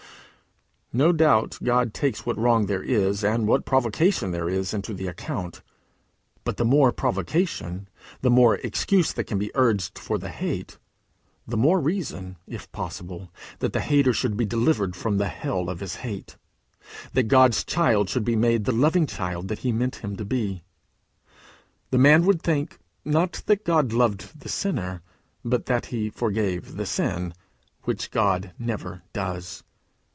No doubt God takes what wrong there is, and what provocation there is, into the account; but the more provocation, the more excuse that can be urged for the hate, the more reason, if possible, that the hater should be delivered from the hell of his hate, that God's child should be made the loving child that he meant him to be. The man would think, not that God loved the sinner, but that he forgave the sin, which God never does.